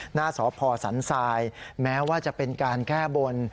หน้าสพสันทรายแม้ว่าจะเป็นการแก้บน